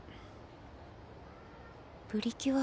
プリキュア。